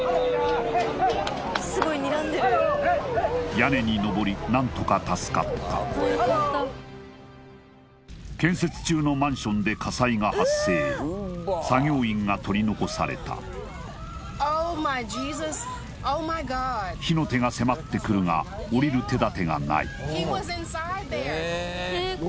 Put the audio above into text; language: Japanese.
屋根にのぼり何とか助かった建設中のマンションで火災が発生作業員が取り残された火の手が迫ってくるが下りる手立てがない